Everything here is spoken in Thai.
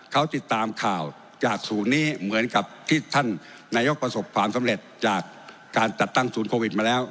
เขาติดตามข่าวจากศูนย์นี้เหมือนกับที่ท่านนายกประสบความสำเร็จจากการจัดตั้งศูนย์โควิดมาแล้ว